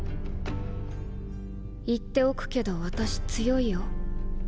言っておくけど私強いよ。